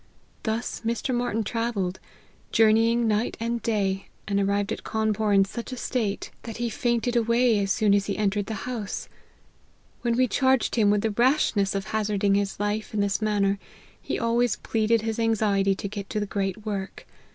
Thus Mr. Martyn travelled, journeying night and day, and arrived at Cawnpore in such a state, that he fainted away 124 LIFE OF HENRY MARTYN. as soon as he entered the house. When we charg ed him with the rashness of hazarding his life in this manner, he always pleaded his anxiety to get to the great work.